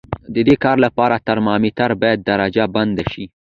د دې کار لپاره ترمامتر باید درجه بندي شي.